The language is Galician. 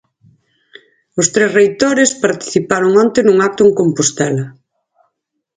Os tres reitores participaron onte nun acto en Compostela.